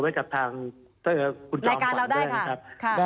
ไว้กับทางคุณจอมควัน